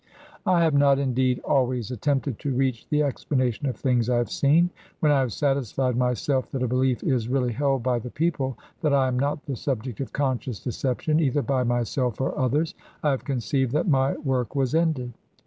I have not, indeed, always attempted to reach the explanation of things I have seen. When I have satisfied myself that a belief is really held by the people, that I am not the subject of conscious deception, either by myself or others, I have conceived that my work was ended.